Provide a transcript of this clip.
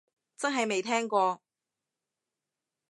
真係未聽過